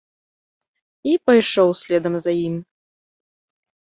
І пайшоў следам за ім.